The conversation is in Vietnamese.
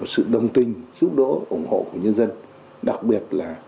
sự đồng tình giúp đỡ ủng hộ của nhân dân